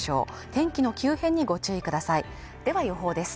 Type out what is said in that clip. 天気の急変にご注意くださいでは予報です